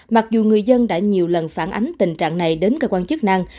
mặc dù người dân đã nhiều lần phản ánh tình trạng này đến cơ quan chức năng